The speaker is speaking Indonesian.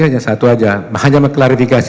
hanya satu saja hanya mengklarifikasi